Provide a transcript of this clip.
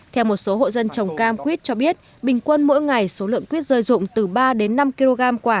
theo một số hộ dân trồng cam quýt cho biết bình quân mỗi ngày số lượng quýt rơi rụng từ ba đến năm kg quả